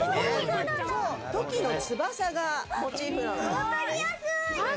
トキの翼がモチーフなの。